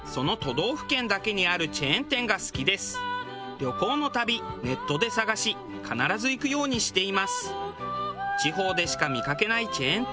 旅行のたびネットで探し必ず行くようにしています。